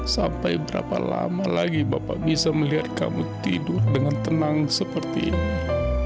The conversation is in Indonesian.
sampai berapa lama lagi bapak bisa melihat kamu tidur dengan tenang seperti ini